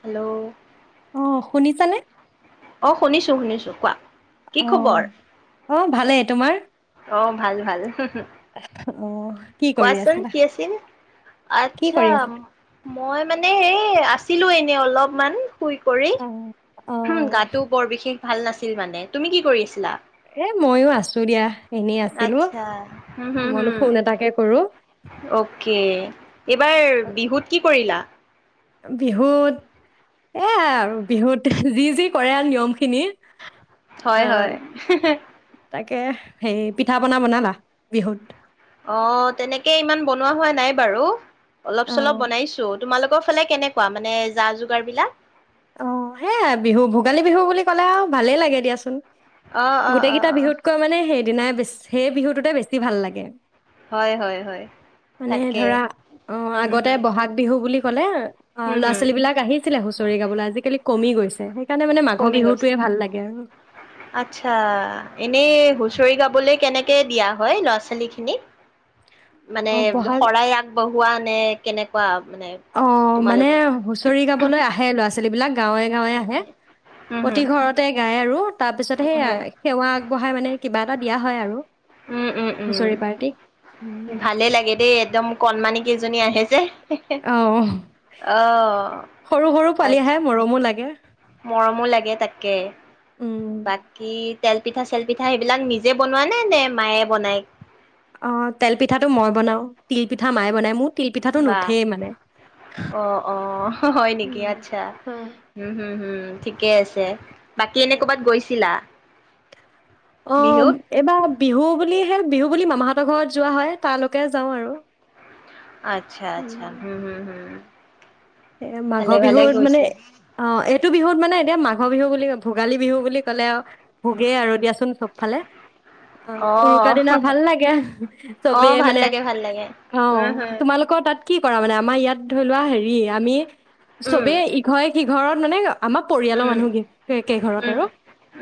Hello অ শুনিছানে? অ শুনিছো-শুনিছো কোৱা কি অ খবৰ? অ ভালেই তোমাৰ অ ভাল-ভাল অ কি কৰি কোৱাচোন আছিলা কি আছিল? কি আচ্ছা কৰি আছিলা মই মানে এই আছ ছিলো এনেই অলপমান শুই কৰি অ অ হম গাটো বৰ বিশেষ ভাল নাছিল মানে তুমি কি কৰি আছিলা। এ ময়ো আছো দিয়া। এনেই আছিলো আচছা মইলো হম-হম-হম ফোন এটাকে কৰো অকে এইবাৰ বিহুত কি কৰিলা। বিহুত এয়া আৰু বিহুত যি-যি কৰে নিয়ম খিনি, আহ হয়-হয়। হিঃ হে তাকে হেৰি পিঠা -পনা বনালা বিহুত? অ, ' তেনেকে ইমান বনোৱা হোৱা নাই, বাৰু অলপ অ -চলপ বনাইছো। তোমালোকৰ ফালে কেনেকুৱা মানে যা- -যোগাৰ বিলাক? অ ', সেইয়া বিহু ভোগালী বিহু বুলি ক'লে আৰু ভালেই লাগে দিয়াচোন, অ অ গোটেই অ কেইটা অ বিহুতকৈ মানে হেৰি, দিনাই সেই বিহুটোতে বেছি ভাল লাগে। হয় হয় হয় মানে তাকে ধৰা অ ', হুম আগতে হুম বহাগ বিহু বুলি ক'লে অ', হুম ল'ৰা- হুম ছোৱালী বিলাক আহিছিলে, হুঁচৰি গাবলৈ আজিকালি, কমি গৈছে। সেইকাৰণে মানে মাঘৰ কমি গৈছে বিহুটোৱে ভাল লাগে আৰু আচ্ছা এনেই হুচৰি গাবলে কেনেকে, কে দিয়া হয় ল'ৰা- ছোৱালী খিনিক, মানে, অ' বহাগ শৰাই আগবঢ়ো, হোৱা নে কেনেকুৱা, - অ', মানে হুঁচৰি গাবলৈ আহে ল'ৰা-ছোৱালী বিলাক গাঁৱে-গাঁৱে উম আহে। হুম উম হুম প্ৰতি ঘৰতে গাই আৰু, তাৰ পিছতে উম সেয়াই সেৱা আগবঢ়াই মানে কিবা এটা দিয়া হয়, হয়, আৰু উম ', -উম ', হুঁচৰি -উম, পাৰ্টিক উম, ' ভালেই লাগে দেই একদম কণমানি কেইজন, জনী আহে যে, অ', অ সৰু-সৰু পোৱালি আচ্ছা আহে মৰমো লাগে। মৰমো লাগে তাকে, উম, বাকী, - তেল- পিঠা, চেল -পিঠা সেইবিলাক নিজে বনোৱা নে, নে মায়ে বনাই,? অ' তেল পিঠাটো মই বনাও, তিল -পিঠা মায়ে বনাই মোৰ। তিল পিঠাটো বা, নুঠেই মানে অ', -অ', হয় নেকি? উম, আচ্ছা, হম- হম- হম। ঠিকেই আছে। বাকী, এনে অ ক'বাত গৈছিলা? অ', বিহুত? এইবাৰ বিহু বুলিহে, বিহু বুলি মামাহতৰ ঘৰত যোৱা হয়, তালৈকে যাওঁ আৰু, আচ্ছা- আচ্ছা, উম হম- হম- হম ', এ মাঘৰ বিহুত মানে, অ' এ এইটো বিহুত মানে, এনে মাঘৰ বিহু বুলি ভোগালী বিহু বুলি ক'লে আও ভোগেই আৰু দিয়াচোন চব ফালে অ' উৰুকা দিনা ভাল লাগে, চবেই অ', ভাল মানে লাগে ভাল লাগে অ' উম, হম। তোমালোকৰ তাত কি কৰা মানে, আমাৰ ইয়াত ধৰি লোৱা হেৰি আমি উম, চবেই ইঘয়ে-সিঘয়ে ঘৰত মানে আ আমাৰ পৰিয়ালৰ উম, মানুহগি কে কেইঘৰত উম, আৰু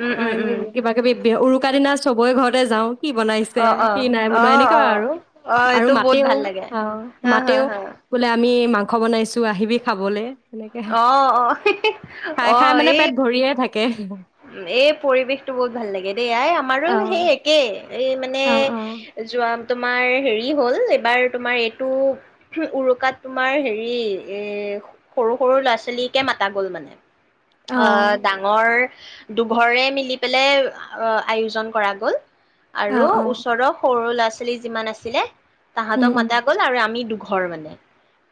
উম, উম, উম, কিবা কিবি বিহু উৰুকা দিনা চ চবয়ে ঘৰতে যাওঁ কি বনাইছে, অ', কি অ', নাই বনোৱা অ', এনেকুৱা অ', আৰু, অ', আৰু এইটো বহুত মাতেও, ভাল লাগে অ', হা, হা, মাতেও হা। বোলে আমি মাং খবৰ নাই চো [unintelligible] আহিবি খাবলে অ', অ' হেহ হেহ, খাই খাই অ' মানে এই, পেট ভৰিয়ে থাকে গানটো উম এই পৰিৱেশটো বহুত ভাল লাগে দেই আই আমাৰো অ' সেই একেই এই মানে, অ' অ' যোৱা তোমাৰ হেৰি হ'ল এইবাৰ তোমাৰ এইটো উৰুকাত তোমাৰ হেৰি এ সৰু সৰু ল'ৰা ছোৱালীকে মাতা গ'ল মানে অ ডাঙৰ দুঘৰে মিলি পেলাই আয়োজন কৰা গ'ল অ' অ' আৰু অ' ওচৰৰ সৰু লৰা ছ ছোৱালী যিমান আছিলে উম তাহাঁতক উম মাতা গ'ল আৰু আমি ঘৰ মানে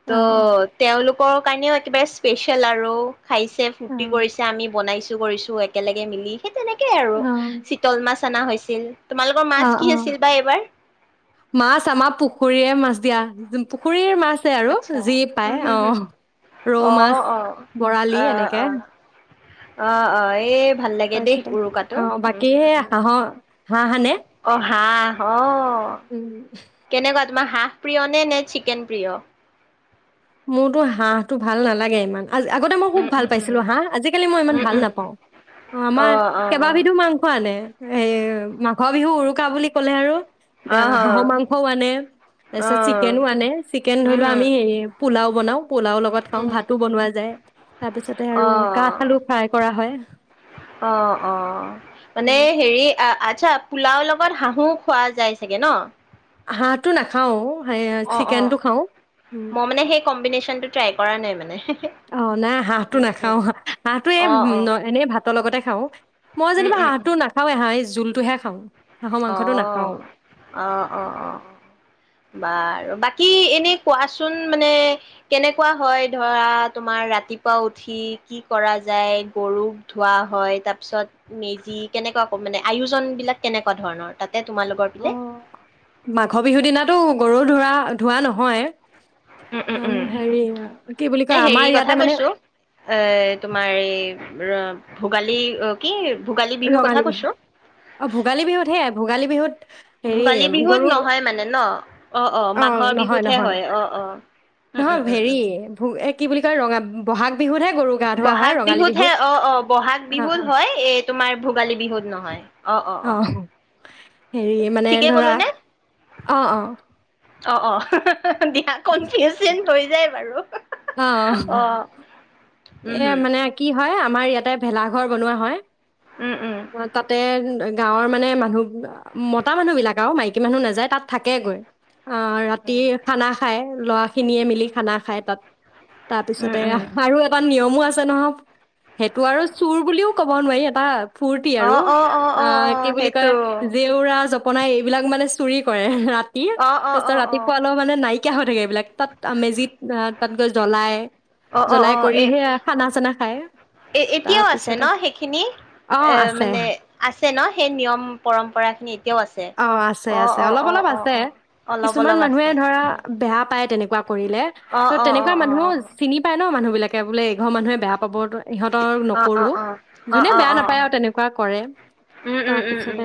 ত অ' তেওঁলোক কাৰণেও কিবা স্পেচিয়েল আৰু খাইছে ফূৰ্তি অ' কৰিছে আমি বনাইছো কৰিছোঁ একেলগে মিলি সেই তেনেকেই আৰু অ' চিতল মাছ অনা হৈছে ও [unintelligible] তোমালোকৰ অ' মাছ কি অ' আছিল বা এইবাৰ মাছ আমাৰ পুখুৰীৰে মাছ দিয়া পুখুৰীৰ মাছ ছে আৰু আচ্ছা যি উম পায় অ হম হম ৰৌ অ মাছ অ বৰালি অ এনেকে অ অ অ এই ভাল লাগে দেই তাৰপিছতে উৰুকাটো অ' উম বাকী সেই হাঁহৰ হাঁহ আনে অ হাঁহ আহ উম, তেনেকুৱা তোমাৰ হাঁহ প্ৰিয় নে নে চিকেন প্ৰিয় মোৰতো হাঁহটো ভাল নালাগে ইমান আজ আগতে মই খুব উম ভাল উম উম পাইছিলো হাঁহ আজিকালি মই ইমান উম ভাল উম নাপাওঁ অ আমাৰ অ অ কেইবাবিধো মাংস আনে হে মাঘ বিহু উৰুকা বুলি ক'লে আৰু আ অ হাঁহৰ মাংসও আনে, তাৰ অ পিছত চিকেনও আনে, চিকেন ধৰি উম লোৱা হম আমি হেৰি পোলাও বনাওঁ। পোলাওৰ লগত খাওঁ, উম ভাতো বনোৱা যায়, তাৰ পিছতে আৰু কাঠ অ', আলু ফ্ৰাই কৰা হয়, অ', অ'। মানে উ। হেৰি আচ্ছা, পোলাওৰ লগত হাঁহো খোৱা যায় চাগে ন? হাঁহটো নাখাওঁ অ। অ অ, মই মানে সেই কম্বিনেশ্বনটোত ট্ৰাই কৰা নাই মানে। অ নাই হাঁহটো উম, উম। নাখাও। হাঁহটো এই অ', অ', এনেই ভাতৰ লগতে খাও। মই উম, যেনিবা উম, উম, হাঁহটো নাখাওঁৱে, এ হাঁহ জোলটোহে খাওঁ। হাঁহৰ মাংসটো নাখাওঁ অ', অ অ অ। বাৰু, বাকী এনে কোৱাচোন মানে কেনেকুৱা হয় ধৰা তোমাৰ ৰাতিপুৱা উঠি, কি কৰা যায় গৰুক ধোৱা হয়, তাৰ পিছত মেজি কেনেকুৱাকৈ মানে আয়োজন বিলাক কেনে কুৱা ধৰণৰ। তাত অ', মাঘ বিহুৰ দিনাতো গৰু ধোৰা ধোৱা নহয়ে। উম-উম-উম, এ কয় হেৰি আমাৰ কথা ইয়াতে মানে কৈছো, এ তোমাৰ এই ভোগালী অ কি ভোগালী বিহুৰ কথা ৰঙালী বিহু। কৈছো অ ভোগালী বিহুত হেয়া ভোগালী বিহুত হেৰি, ভোগালী বিহুত গৰুক নহয় মানে ন অ অ মাঘৰ বিহুতহে নহয়-নহয়, হয় অ অ উম নহয় উম উম হেৰি উম ভো এ কি বুলি কয় ৰঙা বহাগ বিহুত হে গৰু গা ধোৱা হয় বহাগ ৰঙালী বিহুত হে অ-অ, বহাগ অ বিহুত অ হয়, এ তোমাৰ ভোগালী বিহুত নহয়। অ ‌অ-অ-অ। হেৰি মানে ধৰা, অ-অ। অ-অ। দিয়া, কনফিউচন হৈ যায় বাৰু অ অহ। উম এয়া হম মানে কি হয়, আমাৰ ইয়াতে ভেলা ঘৰ বনোৱা হয়। উম উম তাতে গাঁৱৰ মানে মানুহ [unintelligible] মতা মানুহ বিলাক আৰু, মাইকী মানুহ নাযায় তাত থাকে গৈ। অ, ৰাতি খানা খায়। ল'ৰা খিনিয়ে মিলি খানা খাই তাত উম তাৰপিছতে উম আৰু এটা মান নিয়মো আছে নহও, সেইটো আৰু চুৰ বুলিও ক'ব নোৱাৰি, এটা ফূুৰ্তি অ আৰু, অ অ আ অ অ কি বুলি কয়, সেইটো জেৱৰা জপ বনাই এইবিলাক মানে চুৰি কৰে, ৰা ৰা অ অ অ তাৰপিছত অ ৰাতিপুৱা অলপ মানে নাই শকীয়া হৈ থাকে এইবিলাক, তাত মেজিত তাত গৈ জ্বলাই জ্বলাই অ-অ-অ অঁ, কৰি এ সেই খানা চানা খায় এতিয়াও আছে তাৰপিছতে ন সেইখিনি? অ', এ, আছে। মানে আছে ন, সেই নিয়ম পৰম্পৰাখিনি এতিয়াও আছে! অ', আছে, আছে। অলপ অলপ আছে। অ-অ-অ-অ-অ অলপ-অলপ আছে। ক [unintelligible] কৰিলে, তৌ অ', অ', তেনেকুৱা অ', অ', মানুহো অ', চিনি পায় ন মানুহ বিলাক কে বোলে ঘৰ মানুহে বেয়া পাব ইহঁতৰ অ', অ', অ', অ', নকৰো, যোনে অ', বেয়া অ', অ নাপায় আৰু তেনেকুৱা কৰে, উম, উম, উম, উম। তাৰপিছতে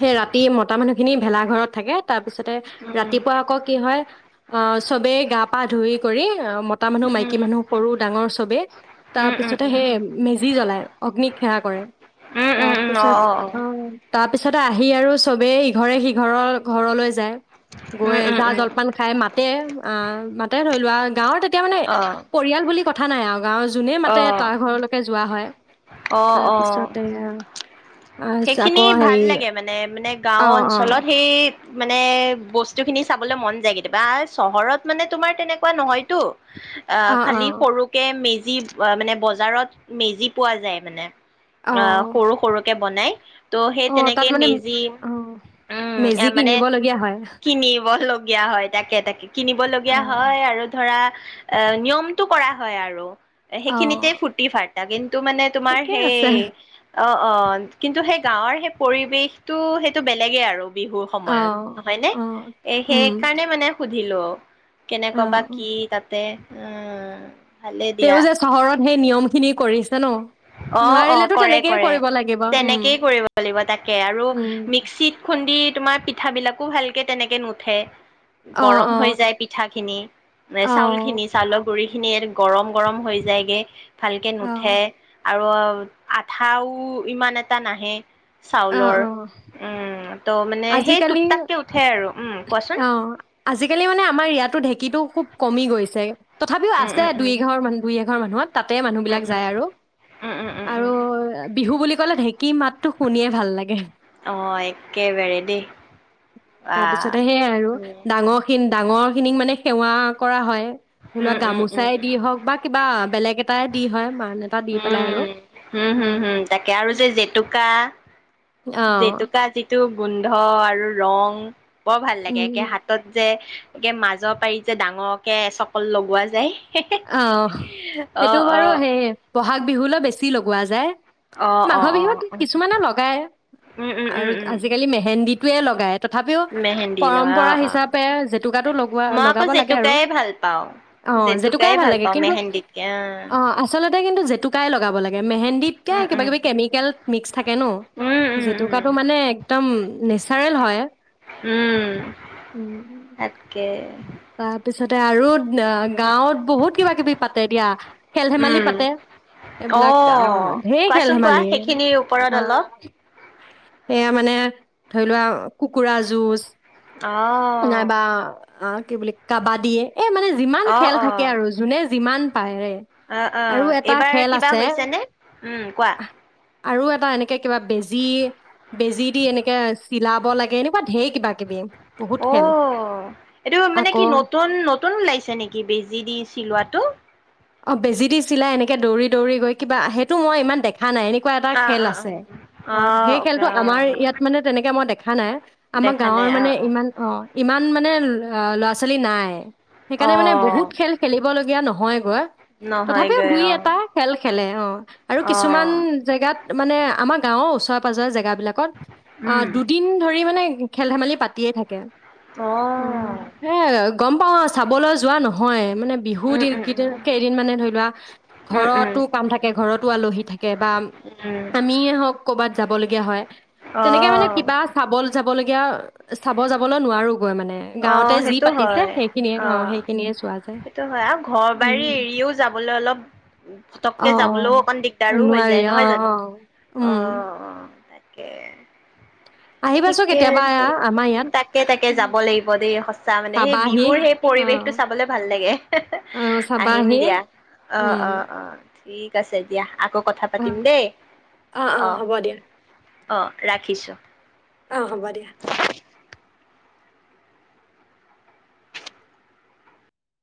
সেই ৰাতি মতা মানুহ সখিনি ভেলাঘৰত থাকে তাৰপিছতে উম, উম, ৰাতিপুৱা আকৌ কি হয় অঁ চবে গা পা ধুই কৰি অ মতা মানুহ উম, উম, মাইকী মানুহ সৰু, ডাঙৰ চবেই তাৰপিছতে সেই মেজি জ্বলাই অগ্নিক সেৱা কৰে উম, উম, উম, উম, তাৰপিছত, অ', অ', অ', আহ তাত পিছতে আহি আৰু চবেই ইঘৰে-সিঘৰৰ ঘৰলৈ যায়। উম, গৈ উম, জা উম, জলপান খাই মা তাতে, মাতে ধৰি লোৱা গাঁৱৰ ত অঁ পৰিয়াল বুলি কথা নাই আৰু গাঁৱৰ যোনেই মাতে তই ঘৰলৈকে যোৱা হয়। অ', অ', অ'। তাৰপিছতে আহ সেইখিনি আকৌ ভাল হেৰি লাগে মানে, মানে গাঁও অ অ অঞ্চলত, সেই মানে বস্তু খিনি চাবলৈ মন যায় কেতিয়াবা, চহৰত মানে তোমাৰ তেনেকুৱা নহয় টো, অ সালি সৰুকে মে যি মানে বজাৰত মেজি পোৱা যায় মানে অ সৰু-সৰুকে বনাই ত' সেই অ তেনেকে তাত মানে মেজি অ উম মেজি মানে কিনিবলগীয়া হয় কিনিব লগগীয়া হয়, তাকে- তাকে অ কিনিবলগীয়া হয়, আৰু ধৰা এ নিয়মটো কৰা হয় আৰু অ সেইখিনিতে ফুটি ফাৰটা কিন্তু মানে তোমাৰ ঠিকে সেই আছে অ-অ কিন্তু সেই গাঁৱৰ সেই পৰিবেশতটো সেইটো বেলেগে আৰু বিহুৰ অ সময়ত নহয় অ [unintelligible] এ উম সেইকাৰণে মানে ভিলো কেনেকুৱা অ বা অ কি তাতে এ তে যে চহৰত সেই নিয়ম খিনি কৰিছে ন অ অ নোৱাৰিলেতো কৰে তেনেকেই কৰে কৰিব লাগিব। উম তেনেকেই কৰিব লাগিব তাকে আৰু উম মিক্সিত খুন্দি তোমাৰ পি পিঠাবিলাকো ভালকে তেনেকে নুঠে অ গৰম অ হৈ যায় পিঠা খিনি অ চাউল, খিনি চাউলৰ, গুৰি খিনি গৰম গৰম হৈ যায়গে ভালকে অ নুঠে আৰু আঠাও ইমান এটা নাহ অ চাউলৰ অ উম ত' মানে সেই আজিকালি টুক টাককে উঠে আৰু উম কোৱাচোন অ আজিকালি মানে আমাৰ ইয়াতো ঢেঁকীটো খুব কমি গৈছে তথাপিও উম আছে দুই উম এঘৰ মান দুই এঘৰ মানুহত তাতে মানুহ উম বিলাক উম উম যায় আৰু উম উম উম আৰু উম বিহু বুলি ক'লে ঢেকী মাততো শুনে ভাল লাগে অ এক তাৰপিছতে সেইয়াই আৰু উম ডাঙৰখিন ডাঙৰ খিনিক মানে সেৱা কৰা হয় ধৰি লা উম উম উম গামোচাই দি উম হওক বা কিবা বেলেগ এটা াই দি হয় মাক উম হম হম হম তাকে আৰু যে জেতুকা অ, জেতুকা যি টো গোন্ধ আৰু ৰং বৰ ভাল লাগে একে উম, হাতত যে এ মাজৰ পাৰি যে ডাঙৰকে চকল লগোৱা যায় আহ অ সেইটো অ বাৰু সে ব'হাগ বিহুলৈ বেছি লগোৱা যায় অ অ মাঘৰ অ অ বিহুত কিছুমানে লগাই উম উম উম আৰু উম আজিকালি মেহেন্দিত টোৱে লগায় তথাপিও মেহেন্দী লগা পৰম্পৰা অ অ হিচাপে জেতুকাটো লগোৱা মই আকৌ লগাব লাগে আৰু জেতুকাই ভাল পাওঁ। অ জেতু ু জেতুকাই ভাল ল পাওঁ কি মেহেন্দীতকে অ আচল জেতুকাই লগাব লাগে মেহেন্দীতকে উম কিবা উম কিবি কেমিকেল মিক্স থাকে ন উম উম উম জেতুকাটো মানে এক্দম নেচাৰেল হয় হ উম তাকে তাৰপিছতে আৰু গাঁৱত বহুত কিবা কিবি পাতে এতিয়া খেল ধেমালি উম পাতে অ এইবিলাক আহ েৰ খেল কোৱাচোন কোৱা ধেমালি সেইখিনিৰ ওপৰত অলপ সেয়া মানে ধৰি লোৱা কুকুৰা যুজ আহ অ কি বুলি কাবা দিয়ে এই মানে যিমান অ খেল থাকে অ আৰু যোনে যিমান পাৰে অ আৰু আহ এটা এইবাৰ খেল কিবা আছে হৈছে নে উম কোৱা আৰু এটা এনেক কিবা বেজি বেজি দি এনেকে চিলাব লাগে এনেকুৱা ধঢেৰ কিবা কিবি বহুত খেল অ'। এইটো মানে কি আকৌ নতুন নতুন ওলাইছে নেকি বেজি দি চিলোৱাটো অ বেজি দিছিলা এনেকে দৌৰি দৌৰি গৈ কিবা সেইটো মই ইমান দেখা নাই নকি এনেকুৱা এটা অ', খেল অ', আছে অ'। অ সেই অকে খেলতটো আমাৰ অ', ইয়াত মানে তেনেকে মই দেখা নাই আমাৰ দেখা গাঁৱৰ নাই মানে অ', ইমান অ ইমান মানে ল'ৰা ছোৱালী নাই সেইকাৰণে মানে বহুত অ', খেল খেলিব লগীয়া নহয় গৈ তথাপিও নহয়গৈ দুই অ', এটা খেল খেলে অ আৰু কিছুমান অ', জেগাত মানে আমাৰ গাও অ ওচৰে পাজৰে জেগা বিলাকত অ উম। দুদিন ধৰি মানে খেল ধেমালি পাতিয়ে থাকে অ সে গম পাওঁ আৰু চাবলৈ যোৱা নহয় মানে বিহু উম, উম, উম, দিকেইট মানে ধৰি লোৱা উম, উম। ঘৰতো কাম থাকে ঘৰতো আলহী থাকে বা উম, আমিয়ে হক ক'ৰবাত যাবলগীয়া হয় তেনেকে মানে অ', কিবা চাবল চাব যাবলৈ নোৱাৰো মানে গাওঁতে অ', যি সেইটো পাতিছে হয় সেইখিনিয় অ সেইখিনিয়ে চোৱা যায় উ হেৰিও যাবলৈ অলপ পটককে অ যাবলৈও অকন অ দিগদাৰো হৈ নোৱাৰি যায় অ নহয় অ জানো অ উম অ এ আহিবাচোন ঠিকে কেতিয়াবা আছে এয়া আমাৰ ইয়াত তাকে তাকে যাব লাগিব দেই সঁচা মানে সেই চাবাহি বিহুৰ সেই অ পৰিৱেশটো চাবলে ভাল লাগে অ আহিম চাবাহি দিয়া অ উম অ অ ঠিক আছে দতিিয়া আকৌ কথা অ পাতিম দেই অ অ ৰাখিছোঁ আহ হ'ব দিয়া